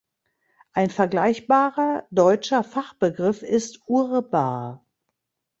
Ein vergleichbarer deutscher Fachbegriff ist "Urbar".